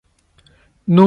Nunca debió volver.